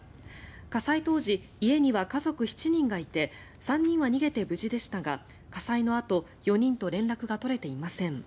火災当時、家には家族７人がいて３人は逃げて無事でしたが火災のあと４人と連絡が取れていません。